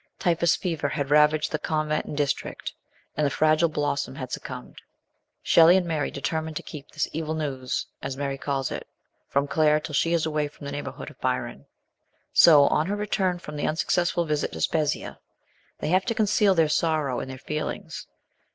Typhus fever had ravaged the convent and district, and the fragile blossom had succumbed. Shelley and Mary determined to keep this " evil news," as Mary calls it, from Claire till she is away from the neighbour hood of Byron. So, on her return from the unsuc cessful visit to Spezzia, they have to conceal their sorrow and their feelings.